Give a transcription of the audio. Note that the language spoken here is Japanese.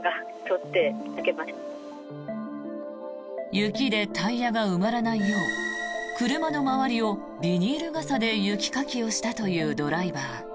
雪でタイヤが埋まらないよう車の周りをビニール傘で雪かきをしたというドライバー。